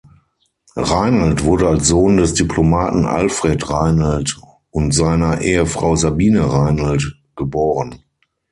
Reinelt wurde als Sohn des Diplomaten Alfred Reinelt und seiner Ehefrau Sabine Reinelt geboren.